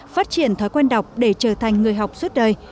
phát triển thói quen đọc để trở thành người học suốt đời